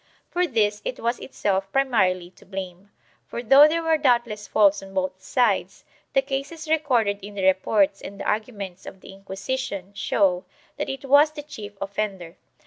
2 For this it was itself primarily to blame, for though there were doubt less faults on both sides, the cases recorded in the reports and the arguments of the Inquisition show that it was the chief offender.